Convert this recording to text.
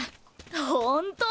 ほんと！